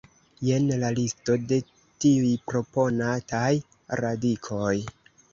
Jen la listo de tiuj proponataj radikoj.